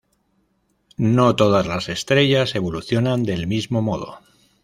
No todas las estrellas evolucionan del mismo modo.